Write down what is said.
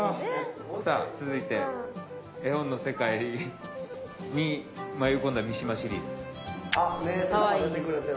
さあ続いて絵本の世界に迷い込んだ三島シリーズ。あっ目が出てくれてる。